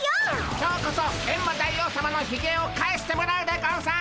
今日こそエンマ大王さまのひげを返してもらうでゴンス！